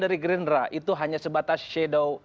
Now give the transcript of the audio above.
dari gerindra itu hanya sebatas shadow